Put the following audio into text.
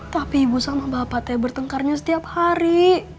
tapi ibu sama bapak teh bertengkarnya setiap hari